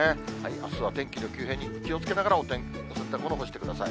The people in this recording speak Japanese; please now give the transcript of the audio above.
あすは天気の急変に気をつけながらお洗濯物干してください。